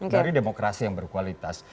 dari demokrasi yang berkualitas